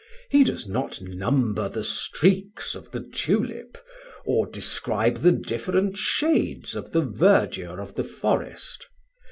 He does not number the streaks of the tulip, or describe the different shades of the verdure of the forest.